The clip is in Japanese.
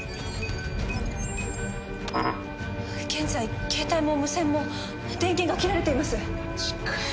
現在ケータイも無線も電源が切られています。